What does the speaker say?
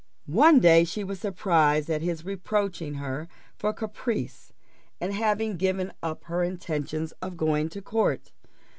One day she was surprised at his reproaching her for caprice in having given up her intentions of going to court.